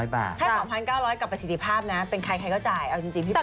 ๒๙๐๐บาทกับประสิทธิภาพนะฮะเป็นใครก็จ่ายเอาจริงพี่ปุ่น